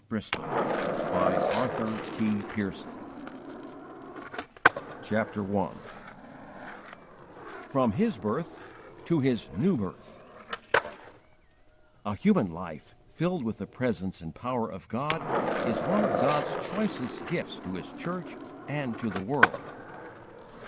George Muller of Bristol CHAPTER I FROM HIS BIRTH TO HIS NEW BIRTH A HUMAN life, filled with the presence and power of God, is one of God's choicest gifts to His church and to the world.